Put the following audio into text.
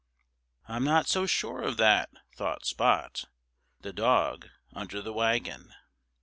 "I'm not so sure of that," thought Spot, The dog under the wagon.